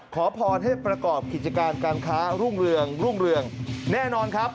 ขอพรให้ประกอบกิจการการค้ารุ่งเรืองแน่นอนครับ